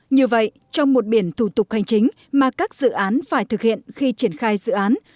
như vậy trong một biển thủ tục hành chính mà các dự án phải thực hiện khi triển khai dự án